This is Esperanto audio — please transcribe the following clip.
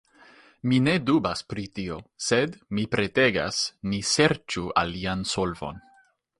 Mi ne dubas pri tio, sed, mi petegas, ni serĉu alian solvon.